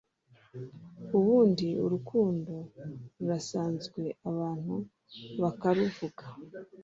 ubundi urukundo rurasanzwe abantu bakaruvuga